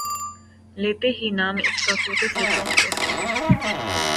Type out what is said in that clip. لیتے ہی نام اس کا سوتے سے چونک اٹھے